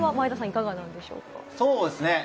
いかがでしょうか。